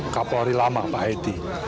kapolri lama pak haiti